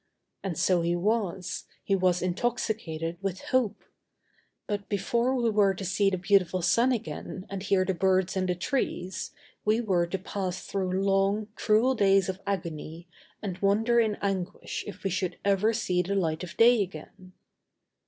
And so he was; he was intoxicated with hope. But before we were to see the beautiful sun again and hear the birds in the trees, we were to pass through long, cruel days of agony, and wonder in anguish if we should ever see the light of day again.